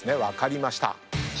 分かりました。